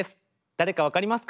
誰か分かりますか？